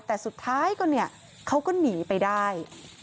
แต่สุดท้ายเขาก็หนีไปได้